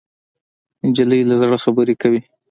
نجلۍ له زړه خبرې کوي.